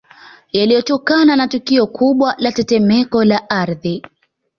Yalitokana na tukio kubwa la tetemeko la Ardhi